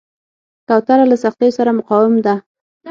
کوتره له سختیو سره مقاوم ده.